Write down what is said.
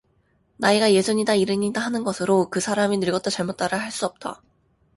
나이가 예순이다 일흔이다 하는 것으로 그 사람이 늙었다 젊었다 할 수 없다.